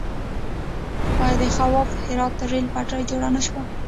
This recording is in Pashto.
آیا د خواف هرات ریل پټلۍ جوړه نه شوه؟